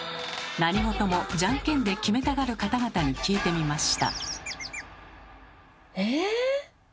何事もじゃんけんで決めたがる方々に聞いてみました。